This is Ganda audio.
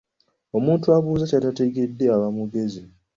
Omuntu abuuza ky'atategedde aba mugezi.